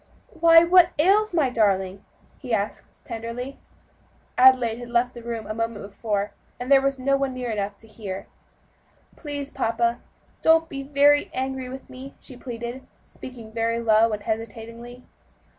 "Why! what ails my darling?" he asked tenderly. Adelaide had left the room a moment before, and there was no one near enough to hear. "Please, papa, don't be very angry with me," she pleaded, speaking very low and hesitatingly.